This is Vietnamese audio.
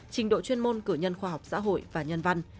trình độ chuyên môn cử nhân khoa học xã hội và nhân văn